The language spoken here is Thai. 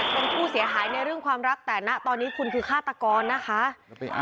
มันคุยกันได้มันคุยกันได้